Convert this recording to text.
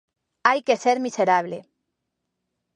¡Hai que ser miserable!